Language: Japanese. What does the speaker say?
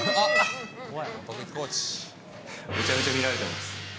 めちゃめちゃ見られてます。